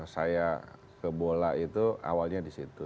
saya ke bola itu awalnya di situ